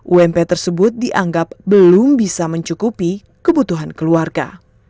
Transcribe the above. ump tersebut dianggap belum bisa mencukupi kebutuhan keluarga